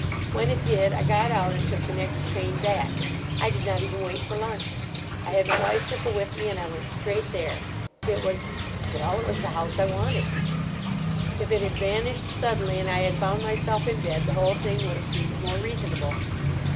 When it did I got out and took the next train back. I did not even wait for lunch. I had my bicycle with me, and I went straight there. It was—well, it was the house I wanted. If it had vanished suddenly, and I had found myself in bed, the whole thing would have seemed more reasonable.